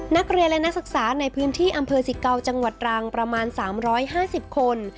นักเรียนและนักศักดิ์ศาสตร์ในพื้นที่อำเภอ๑๙จังหวัดรางประมาณ๓๕๐คน